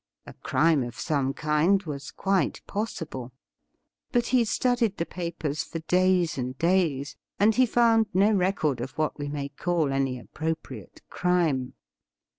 A crime of some kind was quite possible. But he studied the papers for days and days, and he found no record of what we may call any appropriate crime.